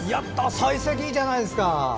さい先いいじゃないですか。